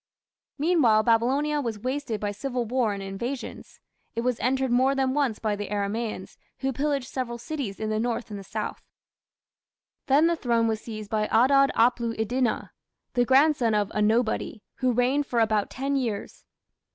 Meanwhile Babylonia was wasted by civil war and invasions. It was entered more than once by the Aramaeans, who pillaged several cities in the north and the south. Then the throne was seized by Adad aplu iddina, the grandson of "a nobody", who reigned for about ten years.